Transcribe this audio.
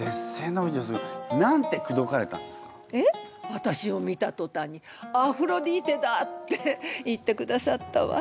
私を見たとたんに「アフロディーテだっ！！」って言ってくださったわ。